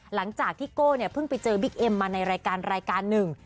หลังจากที่โก้เพิ่งไปเจอบิ๊กเอ็มมาในรายการนึง